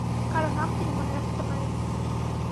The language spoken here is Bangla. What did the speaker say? কারো নাম তিনি মনে রাখতে পারেন না।